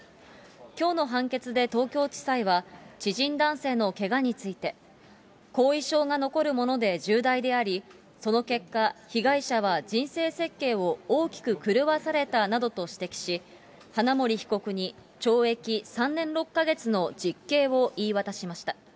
きょうの判決で東京地裁は、知人男性のけがについて、後遺症が残るもので重大であり、その結果、被害者は人生設計を大きく狂わさせたなどと指摘し、花森被告に懲役３年６か月の実刑を言い渡しました。